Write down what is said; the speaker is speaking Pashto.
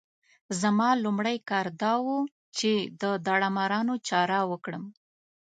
زما لومړی کار دا وو چې د داړه مارانو چاره وکړم.